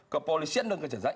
kepolisian dan kejaksaan